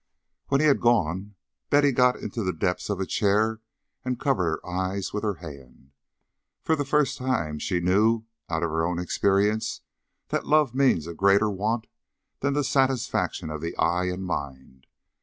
When he had gone, Betty got into the depths of a chair and covered her eyes with her hand. For the first time she knew out of her own experience that love means a greater want than the satisfaction of the eye and mind.